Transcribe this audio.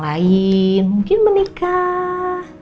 lain mungkin menikah